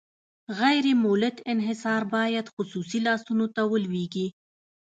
غیر مولد انحصار باید خصوصي لاسونو ته ولویږي.